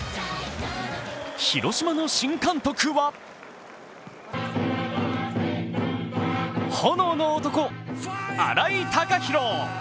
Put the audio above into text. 広島の新監督は炎の漢・新井貴浩。